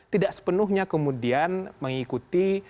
tidak sepenuhnya kemudian mengikuti